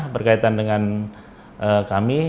perkaitan dengan kami